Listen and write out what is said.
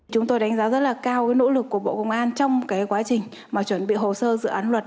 chúng tôi đánh giá rất là cao nỗ lực của bộ công an trong quá trình chuẩn bị hồ sơ dự án luật